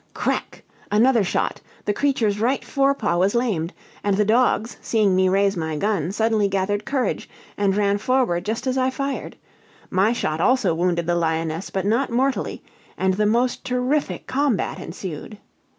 Crack! Another shot: the creature's right forepaw was lamed; and the dogs, seeing me raise my gun, suddenly gathered courage, and ran forward just as I fired. My shot also wounded the lioness, but not mortally, and the most terrific combat ensued.